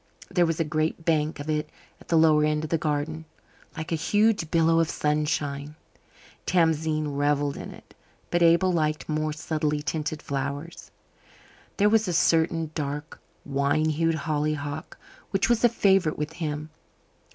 There was a great bank of it at the lower end of the garden, like a huge billow of sunshine. Tamzine revelled in it, but Abel liked more subtly tinted flowers. There was a certain dark wine hued hollyhock which was a favourite with him.